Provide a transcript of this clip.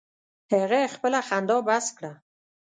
هغه خپله خندا بس کړه.